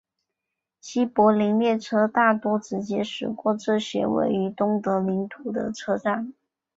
西柏林列车大多直接驶过这些位于东德领土的车站。